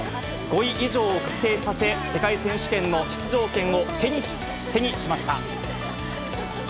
５位以上を確定させ、世界選手権の出場権を手にしました。